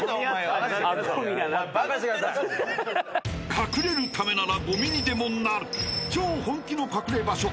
［隠れるためならゴミにでもなる超本気の隠れ場所］